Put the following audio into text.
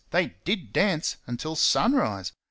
they did dance! until sun rise.